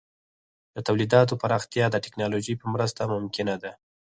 د تولیداتو پراختیا د ټکنالوژۍ په مرسته ممکنه ده.